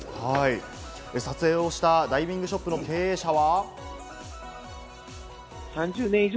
撮影をしたダイビングショップの経営者は。